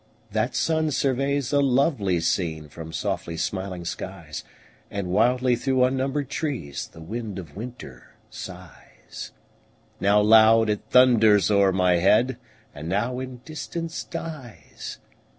That sun surveys a lovely scene From softly smiling skies; And wildly through unnumbered trees The wind of winter sighs: Now loud, it thunders o'er my head, And now in distance dies.